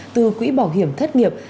từ quỹ bảo hiểm thất nghiệp